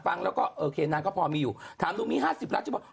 หนูก็แบบหนูบอกนี่เจนี่ก็รู้